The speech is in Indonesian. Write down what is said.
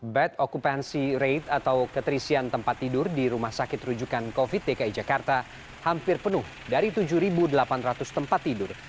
bed occupancy rate atau keterisian tempat tidur di rumah sakit rujukan covid dki jakarta hampir penuh dari tujuh delapan ratus tempat tidur